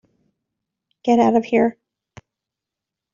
Get out of here.